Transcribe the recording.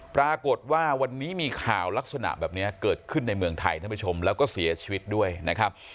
ปรากฏว่าวันนี้มีข่าวลักษณะแบบนี้เกิดขึ้นในเมืองไทยท่านผู้ชมแล้วก็เสียชีวิตด้วยนะครับ